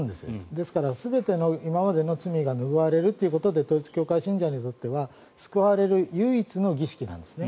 ですから、今までの全ての罪が拭われるということで統一教会信者にとっては救われる唯一の儀式なんですね